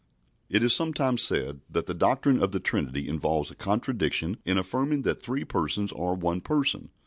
It is sometimes said that the doctrine of the Trinity involves a contradiction in affirming that three Persons are one Person.